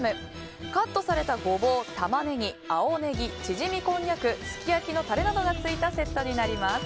カットされたゴボウ、タマネギ青ネギ、ちぢみこんにゃくすき焼きのタレなどがついたセットになります。